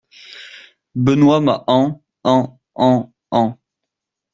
Benoît m'a en … en … en … en …